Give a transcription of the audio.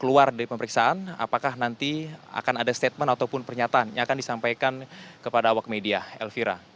keluar dari pemeriksaan apakah nanti akan ada statement ataupun pernyataan yang akan disampaikan kepada awak media elvira